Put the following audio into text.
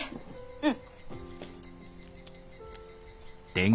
うん。